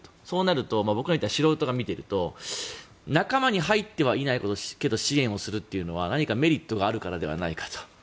そうなると僕のような素人が見ていると仲間に入ってはいないけど支援をするっていうのは何かメリットがあるからではないかと。